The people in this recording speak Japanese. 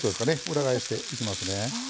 裏返していきますね。